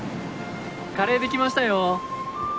カレーできましたよ！